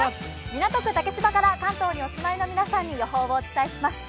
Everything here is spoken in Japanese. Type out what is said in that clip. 港区竹芝から関東にお住まいの皆さんに天気をお伝えします。